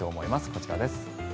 こちらです。